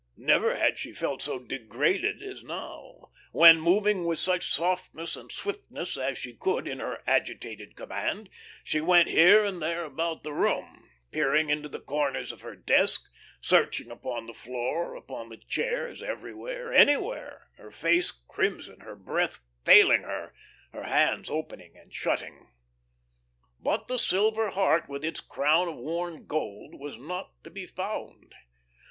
Never had she felt so degraded as now, when, moving with such softness and swiftness as she could in her agitation command, she went here and there about the room, peering into the corners of her desk, searching upon the floor, upon the chairs, everywhere, anywhere; her face crimson, her breath failing her, her hands opening and shutting. But the silver heart with its crown of worn gold was not to be found.